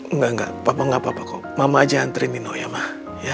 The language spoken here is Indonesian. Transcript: enggak enggak papa gak apa apa kok mama aja antri nino ya mah